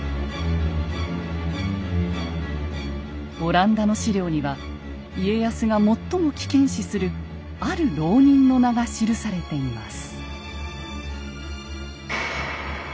オランダの史料には家康が最も危険視するある牢人の名が記されています。